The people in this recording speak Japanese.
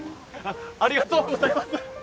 ありがとうございます！